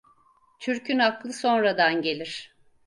Türk'ün aklı sonradan gelir.